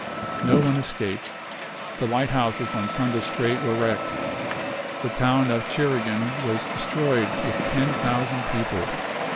No one escaped. The lighthouses on Sunda Strait were wrecked. The town of Tjeringen was destroyed with ten thousand people.